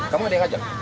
kamu ada yang ngajak